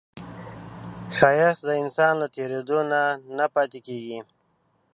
ښایست د انسان له تېرېدو نه نه پاتې کېږي